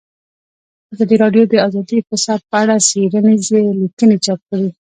ازادي راډیو د اداري فساد په اړه څېړنیزې لیکنې چاپ کړي.